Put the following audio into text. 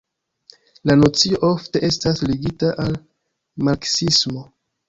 La nocio ofte estas ligita al marksismo.